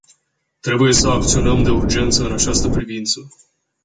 Trebuie să acționăm de urgență în această privință.